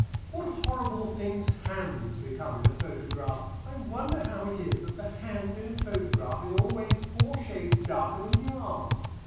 What horrible things hands become in a photograph! I wonder how it is that the hand in a photograph is always four shades darker than the arm.